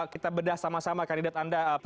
kita bedah sama sama kandidat anda